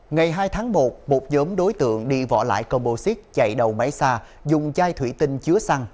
ngày hai tháng một một nhóm đối tượng đi vỏ lại combo xích chạy đầu máy xa dùng chai thủy tinh chứa xăng